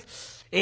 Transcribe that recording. え